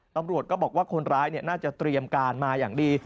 ตำรวจก็บอกว่าคนร้ายน่าจะเตรียมการมาอย่างดี